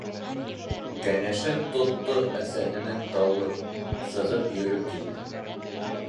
Кәңәшен тотто әсәһенең Дауыт, сығып йөрөп килде.